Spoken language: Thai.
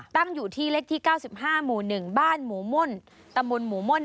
ตั้งอยู่ที่เล็กที่เก้าสิบห้าหมู่หนึ่งบ้านหมูม่นตะมุนหมูม่น